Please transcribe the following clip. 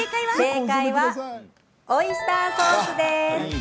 正解はオイスターソースです。